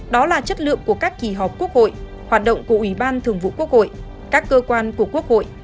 đó là chất lượng của các kỳ họp quốc hội hoạt động của ủy ban thường vụ quốc hội các cơ quan của quốc hội